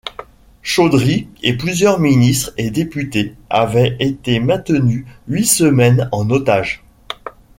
Chaudhry et plusieurs ministres et députés avaient été maintenus huit semaines en otage.